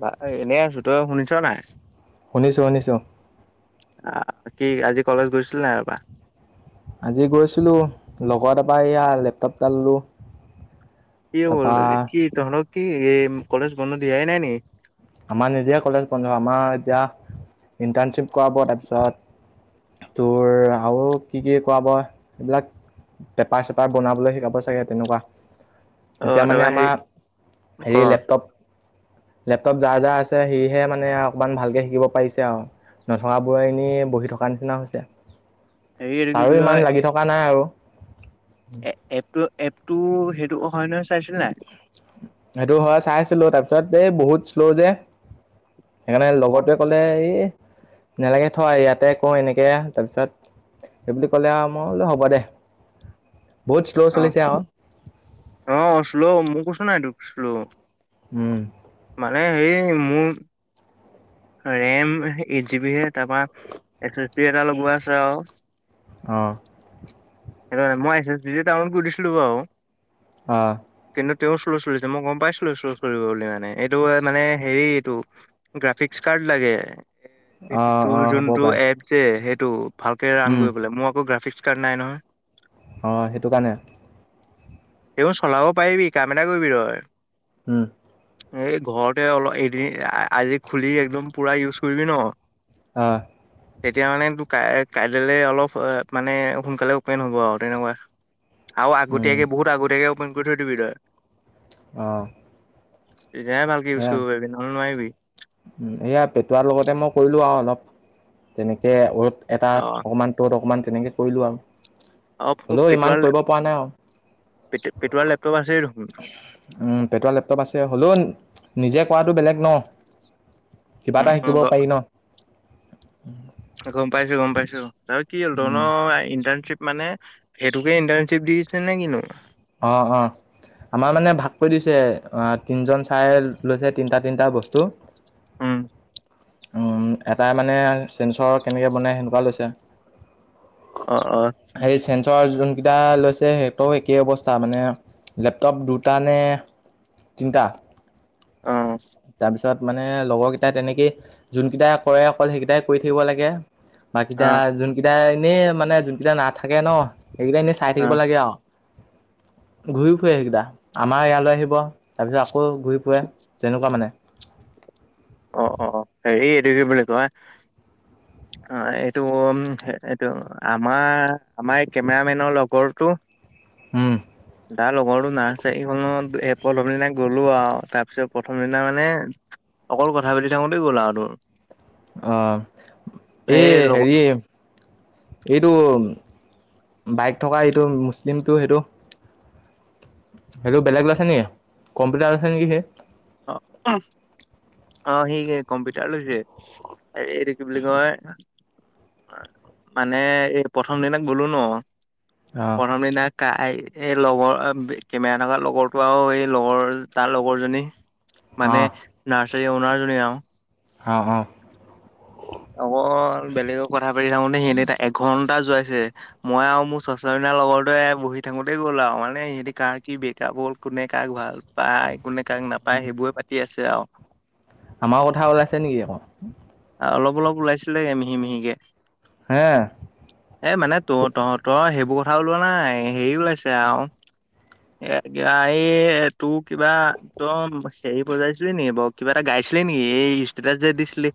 বা এনেই আছোঁ। তই শুনিছ নে নাই? শুনিছোঁ, শুনিছোঁ। আ কি আজি কলেজ গৈছিল নাই অবা। আজি গৈছিলোঁ লগৰ এটাৰ পৰা এয়া লেপটপ এটা ললোঁ। কি হ'ল? তাৰপৰা কি তহতঁক কি এই কলেজ বন্ধ দিয়াই নাই নেকি? আমাৰ নিদিয়ে কলেজ বন্ধ আমাৰ এতিয়া ইণ্টাৰণশ্বিপ কৰাভ তাৰপিছত তোৰ আৰু কি কি কৰাব, এইবিলাক পেপাৰ চেপাৰ বনাবলৈ শিকাব চাগে তেনেকুৱা। অ এতিয়া মানে তাৰপৰা হেৰি আমাৰ, ক হেৰি লেপটপ লেপ [unintelligible] যাৰ যাৰ আছে সিহে মানে অকমান, ভালকে শিকিব পাৰিছে আৰু। নথকাবোৰে এনেই বহি থকা নিচিনা হৈছে, হেৰি এইটো কি বুলি ছাৰো ইমান লাগি থকা নাই আৰু। এ-এপটো-এপটো সেইটো অ', হয় নহয় চাইছিলি নাই? সেইটো হয় চাইছিলো, তাৰপিছত এই বহুত শ্ল' যে সেইকাৰণে অ লগৰটোৱে ক'লে এই, নালাগে থ' ইয়াতে কৰ এনেকে তাৰপিছত সেইবুলি কলে আৰু, মই বুলো হ'ব দে। বহুত শ্ল' আহ, চলিছে আকৌ অ', শ্ল' মই কৈছো নাই তোক শ্ল'। উম মানে হেৰি মোৰ ৰেম এইট জিব হে, তাৰপা এছ এছ বি এটা লগোৱা আছে আৰু। অঁ। [unintelligible] মই এছ এছ বিটো ডাউনলোড কৰি থৈছিলোঁ বাৰু। আহ। কিন্তু তেওঁ শ্লো চুলিছে মই গম পাইছিলো শ্লো চলিব বুলি মানে, এইটো মানে হেৰি এইটো গ্ৰাফিকচ [unintelligible] লাগে, অঁ তোৰ অঁ হ'ব যোনটো পাৰে এপ যে, সেই [unintelligible] ভালকে ৰাণ উম কৰিবলে, মোৰ আকৌ গ্ৰাফিক্স কাৰ্ড নাই নহয়। অ', সেইটো কাৰণে। এইবোৰ চলাব পাৰিবি কাম এটা কৰিবি তই হম। এই ঘৰতে অলপ এদিন আ-আজি খুলি একদম পুৰা ইউজ কৰিবি ন আহ। তেতিয়া মানে ক কাইললে অলপ মানে সোনকালে অপেন হ'ব আৰু তেনেকুৱা, আৰু উম আগতীয়াকে, বহুত আগতীয়াকে অপেন কৰি থৈ দিবি তই। অ'। তেতিয়াহে ভালকে ইউজ কৰিব পাৰিবি, নহলে নোৱাৰিবি। উ, এয়া পেটোৱাৰ লগতে মই কৰিলো আৰু অলপ। তেনেকে অ'ত এটা, অ অকমান ত'ত অকমান তেনেকে কৰিলো আৰু। অ হ'লও ইমান পেটুৱাৰ কৰিব পৰা নাই আৰু। পেটুৱাৰ লেপটপ আছেই দেখোন উম পেট লেপটপ আছে হ'লো, নিজে কৰাটো বেলেগ ন'। কিবা উম এটা উম শিকিব গ পাৰি ন'। গম পাইছো গম পাইছো ত কি হ'ল ধন উম। ইণ্টাৰ্ণশ্বিপ মানে, সেইটোকে ইণ্টাৰ্ণশ্বিপ দিছে নে কিনো। অ', অ'। আমাৰ মানে ভাগ কৰি দিছে অ তিনজন চাই লৈছে তিনটা তিনিটা বস্তু। উম। উম, এটাই মানে চেঞ্চৰ কেনেকৈ বনাই সেনেকুৱা লৈছে। অ', অ'। [unintelligible] যোনকেইটা লৈছে সেহঁতও একেই অৱস্থা মানে, লেপটপ দুটা নে তিনিটা। অ'। তাত মানে লগৰ কেইটাই তেনেকেই, যোনকেইটাই কৰে অকল সেইকেইটাই কৰি থাকিব লাগে। অ বাকিটা যোন কেইটা এনেই মানে যোন কেইটা নাথাকে ন', সেইকেইটা এনেই চাই অ থাকিব লাগে আৰু। ঘূৰি ফুৰে সেইকেইটা। আমাৰ ইয়ালৈ আহিব, তাৰপিছত আকৌ ঘূৰি ফুৰে তেনেকুৱা মানে। অ', অ', অ', হেৰি এইটো কি বুলি কয় [inaudible] অ', এইটো-এইটো আমাৰ-আমাৰ এই কেমেৰামেনৰ লগৰো উম তাৰ লগৰটো নাৰ্চাৰীখনত এ প্ৰথম দিনা গ'লো আৰু তাৰপিছত প্ৰথম দিনা মানে অকল কথা পাতি থাকোতে গ'ল আওঁ তোৰ? অহ সেই এই লগৰ হেৰি এইটো- বাইক থকা এইটো মুছলিমটো সেইটো সেইটো বেলেগ লছে নি? কম্পিউটাৰ লৈছে নেকি সি? অ অ' সি কম্পিউটাৰ লৈছে। এইটো কি বুলি কয় মানে এই প্ৰথম দিনা গলো ন', অ' প্ৰথম দিনা কা এই লগৰ কেমেৰা থকা লগৰটো আৰু এই লগৰ তাৰ লগৰজনী মানে অ' নাৰ্চাৰী অওনাৰজনী এও অ' অ' অকল বেলেগক কথা পাতি থাকোঁতে এই [unintelligible] এঘন্ যোৱাইছে মই আৰু মোৰ [unintelligible] লগৰটোৱে বহি থাকোঁতেই গ'ল আৰু মানে ইহঁতি কাৰ কি ব্ৰেক বল কোনে কাক ভাল পায়, কোনে কাক নাপায় সেইবোৰে পাতি আছে আৱ আমাৰ কথা ওলাইছে নেকি আকৌ? অলপ অলপ ওলাইছিলেগে মিহি মিহিকে। হে এ মানে ত তহঁতৰ সেইবোৰ কথা ওলোৱা নাই, হেৰি ওলাইছে আৰু এ এই তোৰ কিবা দম হেৰি বজাইছিলি নি বাৰু? কিবা এটা গাইছিলি নি? ষ্টৈটাচ যে দিছিলি?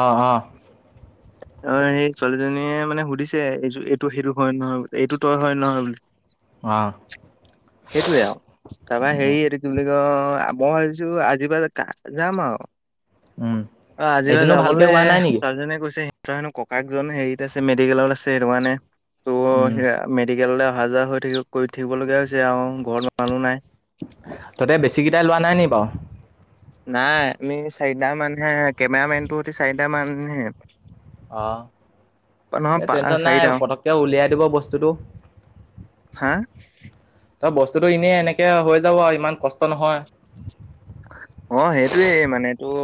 অ অ অ সেই ছোৱালীজনীয়ে মানে সুধিছে এইয এইটো সেইটো হয় নে নহয় এইটো তই হয় নহয় বুলি? অ' সেইটোৱে আৰু তাৰপৰা হেৰি এইটো বুলি কয় মই ভাবিছোঁ আজিৰ পৰা যাম আৰু। উম। অ' আজিৰ পৰা এদিনো ভালকে যাবলে হোৱা নাই নেকি? ছোৱালীজনীয়ে কৈছে তাইৰ হেনো ককায়েক জনে হেৰিত আছে মেডিকেলত আছে সেইটো কাৰণে ত উম, সেৱাই মেড ইয়ালে অহা-যোৱা হৈ থাকিব- কৰি থাকিব লগীয়া হৈছে আৰু, ঘৰত মানুহ নাই। তাতে বেছিকেইটাই লোৱা নাই নি বাৰু? নাই আমি চাৰিটা মানহে কেমেৰা মেনটো হতি চাৰিটা মানহে। অ নহয় এই পা টেনচন নাই চাৰিটা অ', পতককে উলিয়াই দিব বস্তুটো। হা? ত বস্তুতটো এনেই এনেকে হৈ যাব আৰু ইমান কষ্ট নহয়। অ সেইটোৱেই মানে তোৰ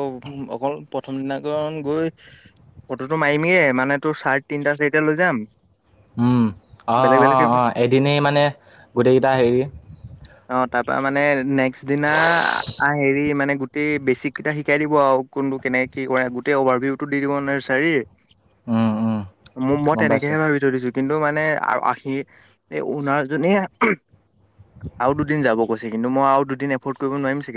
অকল প্ৰথম দিনা কাৰণ গৈ ফটোটো মাৰিমেই, মানে তোৰ চাৰ্ট তিনিটা-চাৰিটা লৈ যাম। উম, বেলেগ অ' - বেলেগকে অ' - অ'। এদিনেই মানে গোটেইকেইটা হেৰি অ তাপা মানে নেক্স দিনা আ হেৰি মানে গোটেই বেচিক কেইটা শিকাই দিব আৰু কোনটো কেনেক কি কৰে গোটেই অভাৰভিউ টো দি দিব ন? উম, উম মই গম পাইছোঁ। তেনেকেহে ভাবি থৈ দিছোঁ। কিন্তু মানে আৰু আহি অনাৰ জনীয়ে আৰু দুদিন যাব কৈছে। কিন্তু মই আৰু দুদিন এফৰ্ড কৰিব নোৱাৰিম চ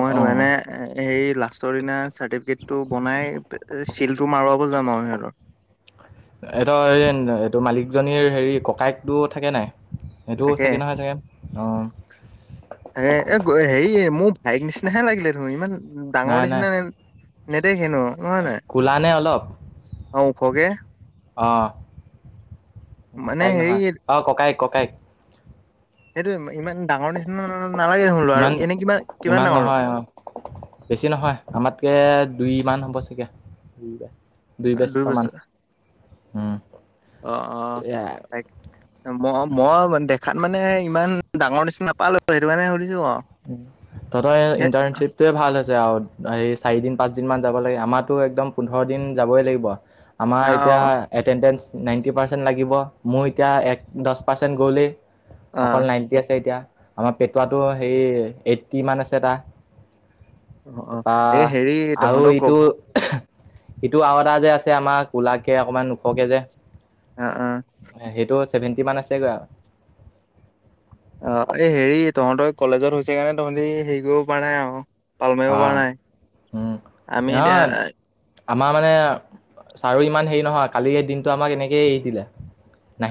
মই সেইটো কাৰণে অ', সেই লাষ্টৰ দিনা চাৰ্টিফিকেটটো বনাই [unintelligible] এহঁতৰ সেই মালিকজনীৰ হেৰি ককায়েকটো থাকে নাই? সেইটো থাকে, চাগে নহয় চাগে অ', থাকে এ হেৰি মোৰ ভায়েক নিচিনাহে লাগিলে তোমাক ইমান ডাঙৰ নাই নাই নিচিনা নেদেখিনো হয় নাই? কোলা নে অলপ অ ওখকে। অ মানে ককায়েক হেৰি নহয়, অ ককায়েক ককায়েক। সেইটো ইমান ডাঙৰ নিচিনা নালাগে দেখোন ল'ৰাটো। ইমান এনে কিমান - কিমান ইমান ডাঙৰ? নহয় অ', বেছি নহয়, আমাতকে দুই মান চাগে, দু দুই বছটোমান, হম অ'-অ' ত ম ম ম দে খান মানে ইমান ডাঙৰ নিচিনা নাপালো, সেইটো কাৰনে সুধিছোঁ। তহঁতৰ ইণ্টাৰণশ্বিপ তুৱে ভাল হৈছে। হেৰি চাৰি দিন পাঁচ দিন মান যাব লাগে, আমাৰো একদম পোন্ধৰ দিন যাবই লাগিব। আমাৰ অ এতিয়া এটেনডেঞ্চ নাইনটি পাৰ্চেন্ট লাগিব, মোৰ এতিয়া এক দছ পাৰ্চেন্ট গ'লেই। অ অকল নাইণ্টি আছে এতিয়া, আমাৰ পেটোৱাটো হেৰি এইট্টি মান আছে তাৰ। অ অ তাৰপৰা এই হেৰি আৰু তহঁতৰ ক এইটো ক- ইটো আওএটা যে আছে আমাৰ, কোলাকে অকমান ওখকে যে। অ অ সেইটো ছেভেণ্টি মান আছেগৈ আৰু। অ', এই হেৰি তহঁতৰ কলেজত হৈছে কাৰণে তহঁতি হেৰি কৰিব পৰা নাই আৰু। পাল মাৰিব পৰা আহ নাই, উম আমি এতিয়া নহয় আমাৰ মানে, ছাৰো ইমান হেৰি নহয় কালি দিনটো আমাক এনেকেই এৰি দিলে।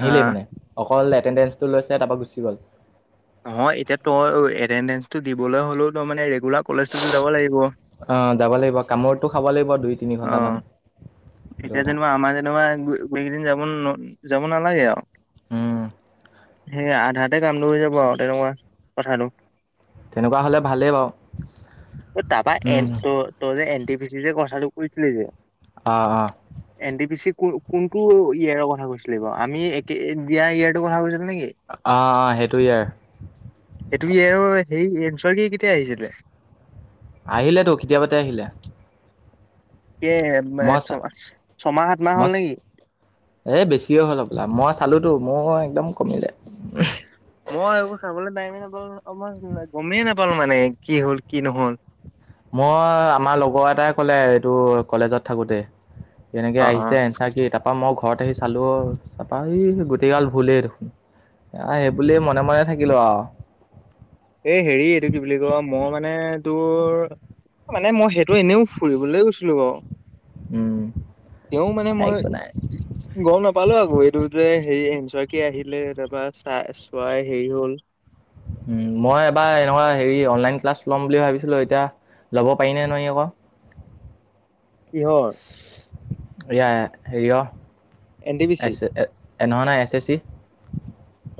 হা মানে, অকল এটেণ্ডেঞ্চটো লৈছে তাৰপৰা গুচি গ'ল। নহয় এতিয়া তই এটেডেঞ্চটো দিবলৈ হ'লেও ত মানে ৰেগুলাৰ কলেজটোতো যাব লাগিব। অ', যাব লাগিব কামোৰটো খাব লাগিব, দুই তিনি অ', ঘন্টামান। এতিয়া যেনিবা আমাৰ যেনেবা গোটেইকেইদিন যাব যাব নালাগে আৰু। উম। সেই আধাতে কামটো হৈ যাব আৰু তেনেকুৱা কথাটো। তেনেকুৱা হ'লে ভালেই বাৰু তাপা যে উম, এ [unintelligible] [unintelligible] কথাটো কৈছিলি যে। অ' অ' এন ডি পি চি কোন কোনটো ইয়াৰৰ কথা কৈছিলে বাৰু, আমি একে দিয়া ইয়াৰটো কথা কৈছিলি নেকি অ' অ' সেইটো ইয়াৰ সেইটো কি আৰু সেই এচৰক কেতিয়া আহিছিলে? আহিলেতো কেতিয়াপাতে আহিলে। এ, মই চা ছমা ছমাহ সাতমাহ হল মই নেকি। এই বেছিয়ে হ'ল হবলা, মই চালোতো মোৰ একদম কমিলে। মই এইবোৰ চাবলৈ টাইমে নাপালোঁ নহয় অ', মই গমেই নাপালো মানে কি হল কি নহল। মই আমাৰ লগৰ এটাই ক'লে এইটো কলেজত থাকোতে। এনেকে অ অ আহিছে এনচা কি তাৰাপা মই ঘৰত আহি চালো অ', চাপা এই গোটেইগাল ভুলেই দেখোন। আহ সেইবুলিয়ে মনে মনে থাকিলো আৰু। এ হেৰি এইটো কি বুলি ক মই মানে তোৰ মানে মই সেইটো এনেও ফুৰিবলৈ গৈছিলো বাৰু। উম, তেওঁ মানে মই একো নাই গম নাপালো আকৌ এইটো যে হেৰি বাকি আহিলে তাৰপা চাই চোৱাই হেৰি হল। উম, মই এবাৰ এনেকুৱা হেৰি অনলাইন ক্লাছ ল'ম বুলি ভাবিছিলো এতিয়া ল'ব পাৰি নে নোৱাৰি আক। কিহৰ? এয়া হেৰি এন ডি বি চি তেনেহ'লে এছ এছ চ।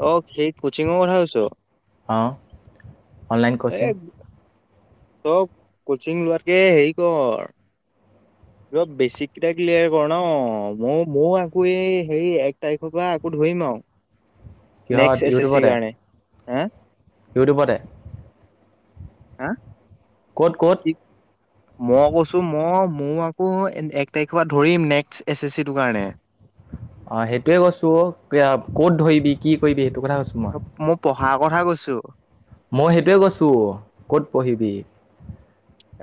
অ' সেই কচিংও কথা কৈছ। অ' অনলাইন এ কচিং। তই কচিং লোৱাতকে হেৰি কৰ প বেছিক কেইটা ক্লিয়াৰ কৰ ন, মই-মই আকৌ এই সেই এক তাৰিখৰ পৰা আকৌ ধৰি ধৈমাও কিহত ইউটিউবতে? হম, ইউটিউবতে হা ক'ত ক'ত মই কৈছো মই, মোৰ আকৌ এক তাৰিখৰ পৰা ধৰিম নেক্সট এছ এছ চিটোৰ কাৰণে। অ, সেইটোয়ে কৈছো ক'ত ধৰিবি কি কৰিবি সেইটো কথা কৈছোঁ মই পঢ়াৰ কথা কৈছো। মই সেইটয়ে কৈছো কত পঢ়িবি।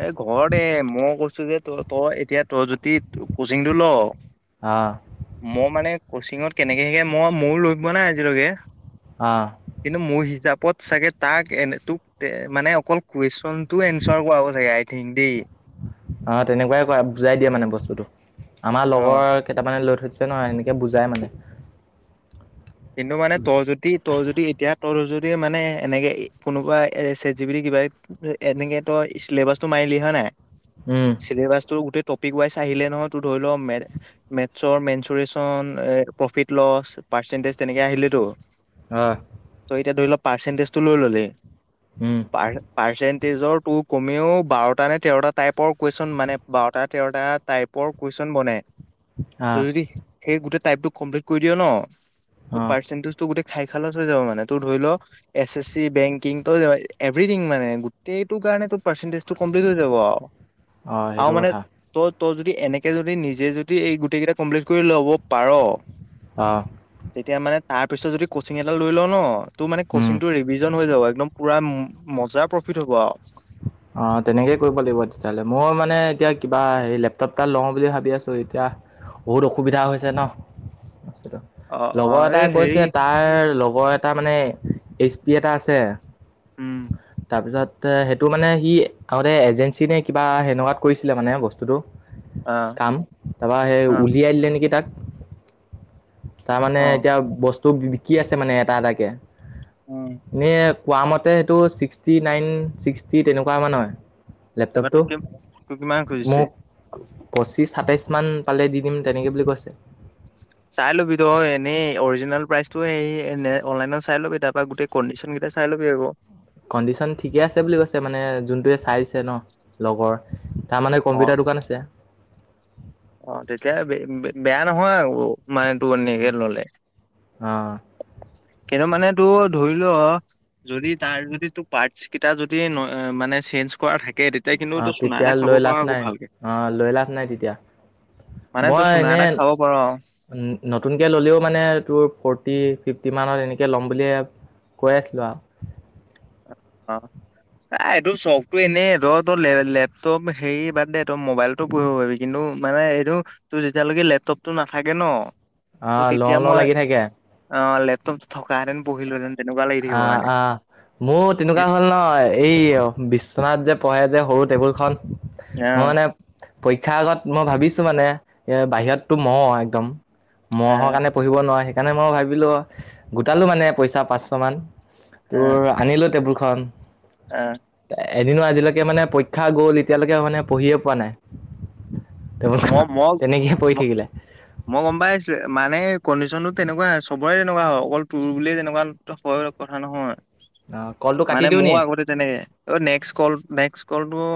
এ ঘৰতে মই কৈছো যে তই এতিয়া তই যদি কোচিংটো ল, অঁ মই মানে কচিঙত কেনেকে শিকে মই ময়ো লৈ পোৱা নাই আজিলৈকে। অঁ কিন্তু মোৰ হিচাপ, পদ চাগে তাক এনে তোক মানে অকল কুৱেশন তোৰ এনচাৰ কৰাব চাগে আই থিংক দেই। অ, তেনেকুৱাই কৰা বুজাই দিয়ে মানে বস্তুটো আমাৰ অ লগৰ কেইটামানে লৈ থৈছে। আছে নহয় এনেকৈ বুজাই মানে। কিন্তু মানে তই যদি তই যদি এতিয়া তই লৈ মানে এনেকে কোনোবা এ চেটজিপিটি কিবা এনেকে তই চিলেবাচটো মাৰিলি হয় নাই, চিলেবাছটো গোটেই পিক ৱাইছ আহিলে নহয় তই ধৰি ল মেথ - মেথচৰ মেন্সুৰঞ্চন প্ৰফিট লছ পাৰ্চেন্টেজ তেনেকে আহিলে তো। হয়। এতিয়া ধৰি ল পাৰ্চেনটেজটো লৈ ললে [unintelligible] ষ্টেজৰ তোৰ কমেও বাৰটা নে তেৰটা টাইপৰ কুৱেশচন মানে বাৰটা তেৰটা টাইপৰ কুৱেশচন বনে, তই অঁ যদি, সেই গোটেই টাইপ কমপ্লিট কৰি দিয় ন তোৰ অঁ পাৰ্চেনটেজটো গোতেই [unintelligible] হৈ যাব মানে তোৰ ধৰি ল, এছ - এছ চি বেংকিং তই--এভৰিথিং মানে গোটেইটো। [unintelligible] পাৰ্চেনটেজটো কমপ্লিট হৈ যাব আৰু অঁ আৰু সেইটো মানে কথা, তই তই যদি এনেকে যদি নিজে যদি এই গোটেই কেইটা কমপ্লিট কৰি ল'ব পাৰ। অ', তেতিয়া মানে তাৰ পিছত যদি কচিং এটা লৈ লও ন তোৰ মানে উম, কিচিং তো ৰিভিজন হৈ যাব একদম পুৰা মজাৰ প্ৰফিট হ'ব আৰু অ তেনেকেই কৰিব লাগিব তেতিয়াহলে মই মানে এতিয়া কিবা হে লেপটপ এটা লওঁ বুলি ভাবি আছো এতিয়া, বহুত অসুবিধা হৈছে ন, অ অ লগৰ এই এটাই হেৰি কৈছে তাৰ লগ মোৰ এটা মানে এচটি এটা আছে। উম, তাৰপিছত সেইটো মানে সি আগতে এজেঞ্চি নে কিবা সেনেকুৱাত কৰিছিলে মানে বস্তুটো। অ কাম, তাৰপা সেই অ উলিয়াই দিলে নেকি তাক তাৰ মানে অ এতিয়া বস্তু বিকি আছে মানে এটা এটাকে। উম এনে কোৱ মতে সেইটো ছিক্সটি নাইন ছিক্সটি তেনেকুৱা মান হয়। তাৰপৰা লেপটপটো তোক - তোক কিমান খুজিছে? মোক পঁচিছ সাতাইশ মান পালে দি দিম তেনেকে বুলি কৈছে। চাই ল'বি তই এনেই অৰিজিনেল প্ৰাইচতটো হে অনলাইনত চাই ল'বি তাৰপা গোটেই কণ্ডিশন কেইটা চাই লবি আকৌ। কণ্ডিশন ঠিকে আছে বুলি কৈছে মানে যোনটোৱে চাইছে ন লগৰ। তাৰমানে অ কম্পিউটাৰ দোকান আছে। অ, তেতিয়া -বেয়া নহয় আৰু। মানে তোৰ এনেকে ললে। কিন্তু মানে তোৰ ধৰি ল, যদি তাৰ যদি তোৰ পাৰটচ কেইটা যদি মানে [unintelligible] কিন্তু তই অ' চুনা তেতিয়া এটা খাব লৈ পাৰ লাভ আকৌ নাই, ভালকে অ' লৈ লাভ নাই তেতিয়া। মানে তই মই চুনা এনে, এটা খাব পাৰ অ নতুনকে ললেও মানে তোৰ ফৰ্টি ফিফটি মানত এনেকে ল'ম বুলিয়ে কৈ আছিলো আৰু। অ। অহ এইটো চখটো এনেই তই তই লেপটপ হেৰি বাদ দে তই মোবাইলতো পঢ়িব পাৰিবি কিন্তু। মানে এইটো তোৰ যেতিয়ালৈকে লেপটপতটো নাথাকে ন ত আহ লওঁ তেতিয়া লওঁ মই, লাগি থাকে অ' লেপ থকা হেতেন পঢ়িলোহেতেন তেনেকুৱা লাগি থাকিব আহ মানে। আহ মোৰ তেনেকুৱা হ'ল নহয়, এই বিশ্বনাথ যে পঢ়ে যে সৰু টেবুলখন। অ মই মানে পৰীক্ষাৰ আগত মই ভাবিছো মানে এ বাহিৰততো মহ একদম। অ মহৰ কাৰণে পঢ়িব নোৱাৰো, সেইকাৰণে মই ভাবিলো গোটালো মানে পইচা পাঁচশ মান। তোৰ আনিলো টেবুলখন। অ'। এদিনো আজিলৈকে মানে পৰীক্ষা গ'ল, এতিয়ালৈকে মানে পঢ়িয়ে পোৱা নাই। টেবুলখনত। মই, মই, তেনেকেই পৰি ম থাকিলে মই গম পাইছো মানে কণ্ডিশ্যনতো তেনেকুৱাই, চবৰে তেনেকুৱা হয়, অকল তৰ বুলিয়ে তেনেকুৱা হয় কথা নহয়। অ' কলটো কাটি মানে দিওঁ মোৰ নি? আগতে তেনেকে অ নেক্স কল, নেক্স কলটো